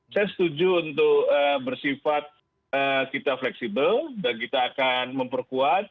saya setuju untuk bersifat kita fleksibel dan kita akan memperkuat